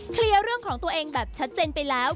เคลียร์เรื่องของตัวเองแบบชัดเจนไปแล้ว